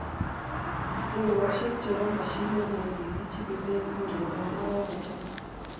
Riroshe che bo moshinit ne kichikilen kurebee ko kokuchang'a.